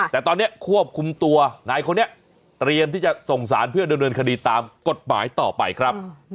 แต่ตอนนี้ควบคุมตัวนายคนนี้เตรียมที่จะส่งสารเพื่อดำเนินคดีตามกฎหมายต่อไปครับ